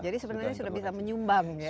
jadi sebenarnya sudah bisa menyumbang ya